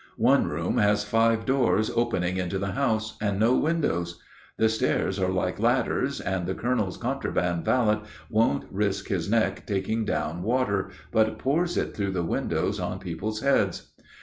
One room has five doors opening into the house, and no windows. The stairs are like ladders, and the colonel's contraband valet won't risk his neck taking down water, but pours it through the windows on people's heads.